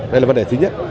đây là vấn đề thứ nhất